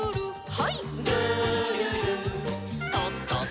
はい。